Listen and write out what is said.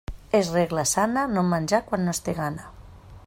És regla sana no menjar quan no es té gana.